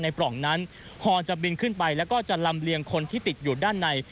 ปล่องนั้นพอจะบินขึ้นไปแล้วก็จะลำเลียงคนที่ติดอยู่ด้านใน